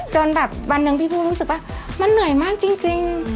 จนแบบวันหนึ่งพี่ผู้รู้สึกว่ามันเหนื่อยมากจริง